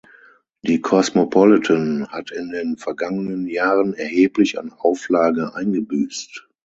Die "Cosmopolitan" hat in den vergangenen Jahren erheblich an Auflage eingebüßt.